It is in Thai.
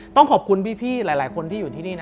ต้องขอบคุณพี่หลายคนที่อยู่ที่นี่นะ